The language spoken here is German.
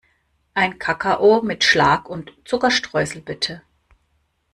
Einen Kakao mit Schlag und Zuckerstreuseln, bitte.